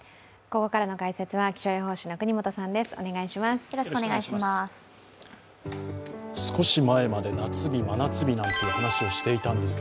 ここからの解説は気象予報士の國本さんです。